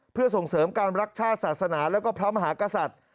เพื่อส่งเสริมการรักชาติศาสนาและพระมหากษัตริย์